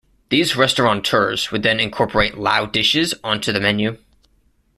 These restaurateurs would then incorporate Lao dishes onto the menu.